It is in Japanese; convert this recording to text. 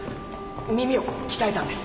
耳を鍛えたんです。